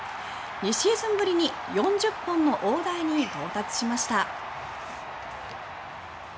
２シーズンぶりに４０本の大台に到達しました。